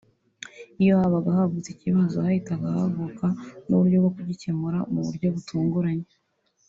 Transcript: iyo habaga havutse ikibazo hahitaga havuka n’uburyo bwo kugikemura mu buryo butunguranye